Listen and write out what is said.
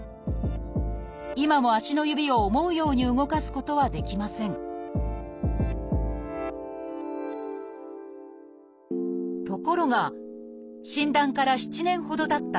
今も足の指を思うように動かすことはできませんところが診断から７年ほどたった